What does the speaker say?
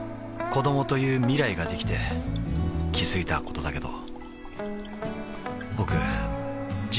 子どもという未来ができて気づいたことだけど